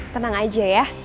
tenang aja ya